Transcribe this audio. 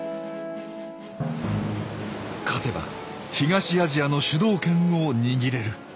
勝てば東アジアの主導権を握れる。